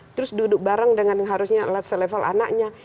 terus duduk bareng dengan yang harusnya last level anaknya